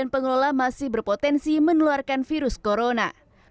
pengelola masih berpotensi menularkan virus corona